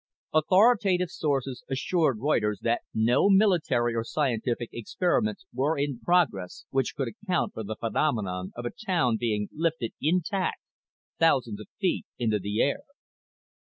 "_ _Authoritative sources assured Reuters that no military or scientific experiments were in progress which could account for the phenomenon of a town being lifted intact thousands of feet into the air.